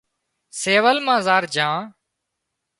سول مان زار جھان